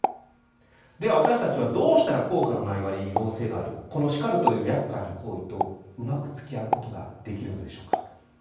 では私たちはどうしたら効果のない割に依存性のあるこの「叱る」というやっかいな行為とうまくつきあうことができるのでしょうか。